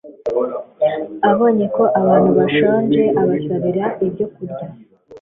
abonye ko abantu bashonje, abasabira ibyokurya